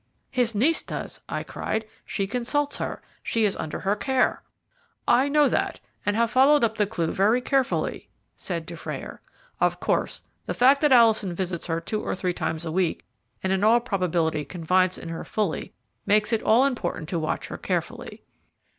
"His niece does," I cried. "She consults her she is under her care." "I know that, and have followed up the clue very carefully," said Dufrayer. "Of course, the fact that Alison visits her two or three times a week, and in all probability confides in her fully, makes it all important to watch her carefully.